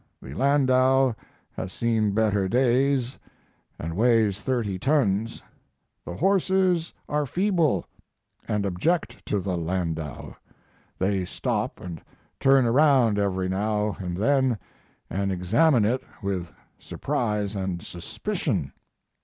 The landau has seen better days & weighs 30 tons. The horses are feeble & object to the landau; they stop & turn around every now & then & examine it with surprise & suspicion.